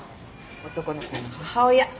男の子の母親。